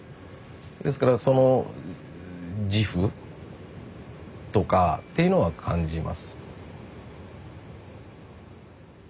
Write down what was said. ですからその自負とかっていうのは感じます。